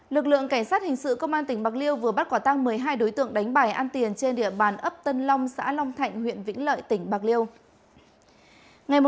lực lượng cảnh sát hình sự công an tỉnh bạc liêu vừa bắt quả tăng một mươi hai đối tượng đánh bài ăn tiền trên địa bàn ấp tân long xã long thạnh huyện vĩnh lợi tỉnh bạc liêu